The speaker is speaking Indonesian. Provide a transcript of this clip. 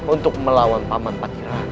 untuk melawan paman patirakan